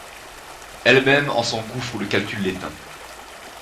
Elle-même, en son gouffre où le calcul l’éteint